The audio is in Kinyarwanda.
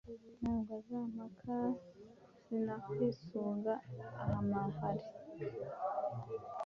Ntabwo azampaka sinakwisunga amahari,